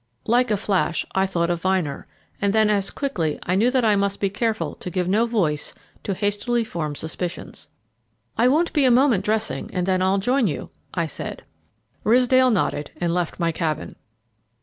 Like a flash I thought of Vyner, and then as quickly I knew that I must be careful to give no voice to hastily formed suspicions. "I won't be a moment dressing, and then I'll join you," I said. Ridsdale nodded and left my cabin.